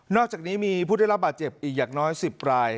อกจากนี้มีผู้ได้รับบาดเจ็บอีกอย่างน้อย๑๐ราย